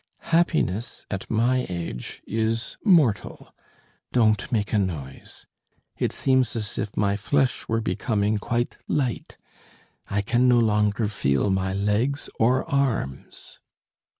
"Happiness, at my age, is mortal. Don't make a noise. It seems as if my flesh were becoming quite light: I can no longer feel my legs or arms."